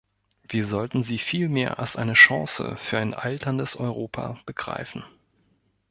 Wir sollten sie vielmehr als eine Chance für ein alterndes Europa begreifen!